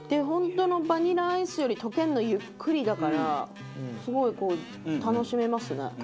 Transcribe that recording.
本当のバニラアイスより溶けるのゆっくりだからすごいこう楽しめますね。